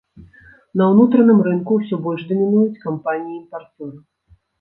На ўнутраным рынку ўсё больш дамінуюць кампаніі імпарцёры.